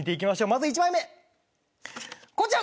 まず、１枚目、こちら。